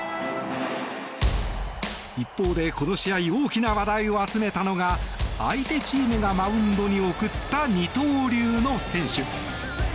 一方で、この試合大きな話題を集めたのが相手チームがマウンドに送った二刀流の選手。